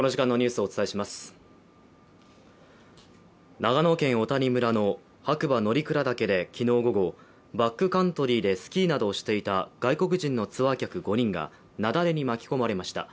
長野県小谷村の白馬乗鞍岳で昨日午後、バックカントリーでスキーなどをしていた外国人のツアー客５人が雪崩に巻き込まれました。